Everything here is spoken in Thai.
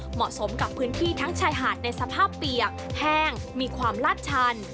เหมาะสมกับพื้นที่ทั้งชายหาดในสภาพเปียกแห้งมีความลาดชัน